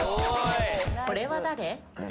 これは誰？